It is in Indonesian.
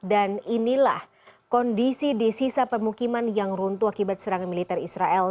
dan inilah kondisi di sisa permukiman yang runtuh akibat serangan militer israel